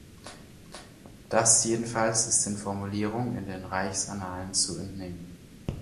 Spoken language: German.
Das jedenfalls ist den Formulierungen in den Reichsannalen zu entnehmen.